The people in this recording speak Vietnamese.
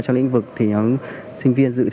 trong lĩnh vực thì những sinh viên